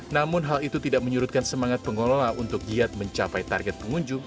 namun hal itu tidak menyurutkan semangat pengelola untuk giat mencapai target pengunjung